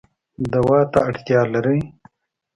دوا ته اړتیا لرئ